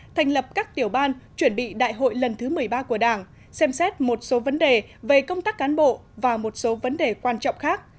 thành lập các tiểu ban chuẩn bị đại hội lần thứ một mươi ba của đảng xem xét một số vấn đề về công tác cán bộ và một số vấn đề quan trọng khác